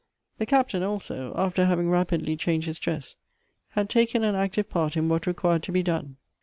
The Captain also, after having rapidly changed his dress, had taken an active part in what required to be done.